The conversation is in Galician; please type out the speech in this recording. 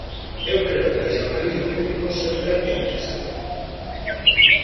Eu creo que o xornalismo crítico sempre é necesario.